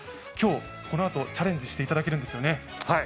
今日、このあとチャレンジしていただけるんですよね。